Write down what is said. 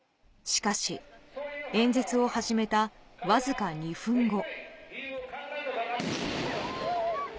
しかし、演説を始めた僅か２分後。